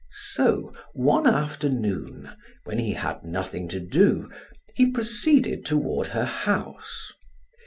So one afternoon, when he had nothing to do, he proceeded toward her house.